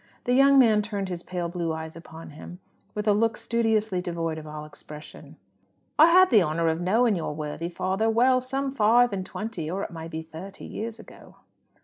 The young man turned his pale blue eyes upon him with a look studiously devoid of all expression. "I had the honour of knowing your worthy father well, some five and twenty or it may be thirty years ago."